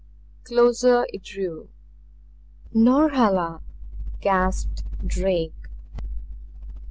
Closer it drew. "Norhala!" gasped Drake.